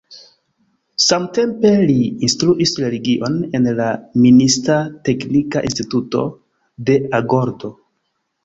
Samtempe, li instruis religion en la minista teknika instituto de Agordo.